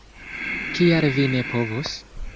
Kial vi ne povos?